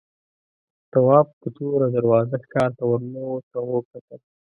تواب په توره دروازه ښار ته ورننوت او وکتل.